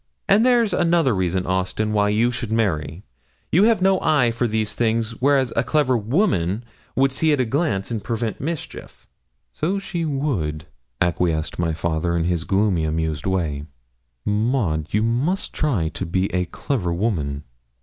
And there's another reason, Austin, why you should marry you have no eye for these things, whereas a clever woman would see at a glance and prevent mischief.' 'So she would,' acquiesced my father, in his gloomy, amused way. 'Maud, you must try to be a clever woman.'